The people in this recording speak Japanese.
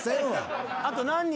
あと何人。